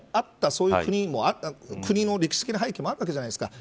そういう国の歴史的な背景もあったわけじゃないですか。